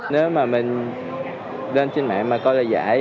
nếu mà mình lên trên mạng mà có lời giải